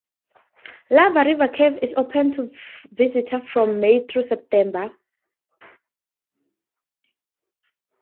Lava River cave is open to visitors from May through September.